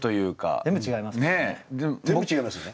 全部違いますよね。